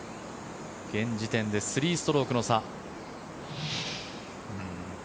現時点で３ストロークの差。